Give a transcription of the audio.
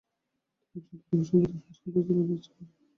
তিনি চৌদ্দ দফা সাংবিধানিক সংস্কার পরিকল্পনা প্রস্তাব করেন।